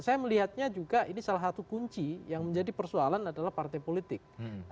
saya melihatnya juga ini salah satu kunci yang menjadi persoalan adalah partai politik